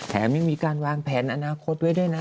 แถมยังมีการวางแผนอนาคตไว้ด้วยนะ